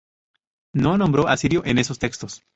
No nombró a Sirio en esos textos.